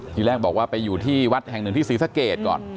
ทีแรกบอกว่าไปอยู่ที่วัดแห่งหนึ่งที่ศรีสะเกดก่อน